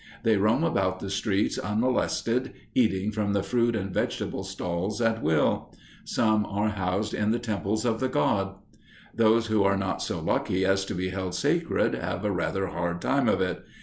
They roam about the streets unmolested, eating from the fruit and vegetable stalls at will. Some are housed in the temples of the god. Those who are not so lucky as to be held sacred have a rather hard time of it.